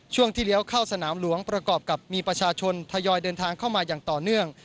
ช่วงที่เลี้ยวเข้าสนามหลวงประกอบกับมีประชาชนทยอยเดินทางเข้ามาอย่างต่อเนื่อง